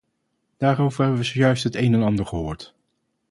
Daarover hebben we zojuist het een en ander gehoord.